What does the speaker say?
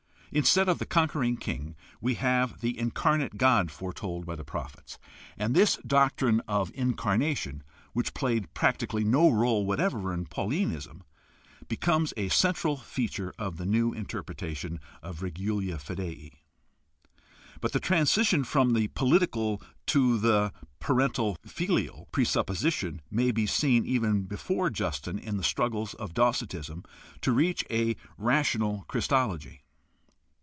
Instead of the conquering king we have the incarnate God foretold by the prophets; and this doctrine of incarnation which played practically no role whatever in Paul inism becomes a central feature of the new interpretation of regula fidei. But the transition from the political to the parental filial presupposition may be seen even before Justin in the struggles of Docetism to reach a rational Christology.